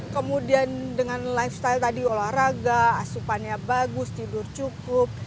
kemudian dengan lifestyle tadi olahraga asupannya bagus tidur cukup